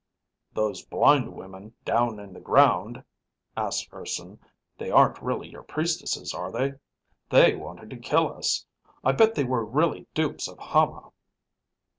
"Those blind women down in the ground," asked Urson, "they aren't really your priestesses, are they? They wanted to kill us. I bet they were really dupes of Hama."